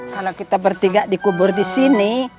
kalau kita bertiga dikubur di sini